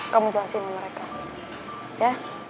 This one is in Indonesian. kamu jelasin mereka ya